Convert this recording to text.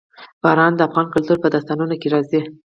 باران د افغان کلتور په داستانونو کې راځي.